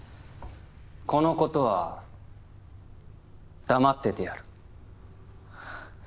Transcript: このことは黙っててやる。